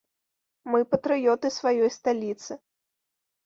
Мы патрыёты сваёй сталіцы.